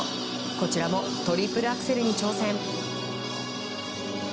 こちらもトリプルアクセルに挑戦。